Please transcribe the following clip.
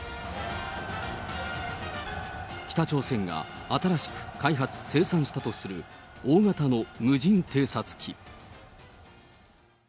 北朝鮮が新しく開発・生産したとする、大型の無人偵察機。